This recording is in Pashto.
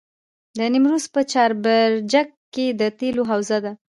د نیمروز په چاربرجک کې د تیلو حوزه ده.